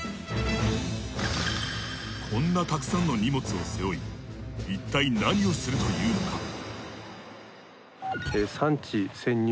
こんなたくさんの荷物を背負いいったい何をするというのか？